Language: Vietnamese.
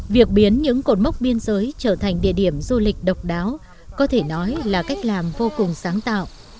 việc biến những cột mốc biên giới trở thành địa điểm du lịch độc đáo có thể nói là cách làm vô cùng sáng tạo